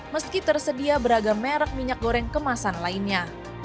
meski tersedia beragam merek minyak goreng kemasan lainnya